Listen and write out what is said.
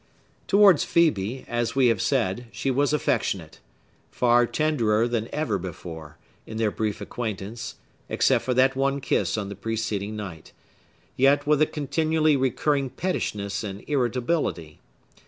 Towards Phœbe, as we have said, she was affectionate,—far tenderer than ever before, in their brief acquaintance, except for that one kiss on the preceding night,—yet with a continually recurring pettishness and irritability.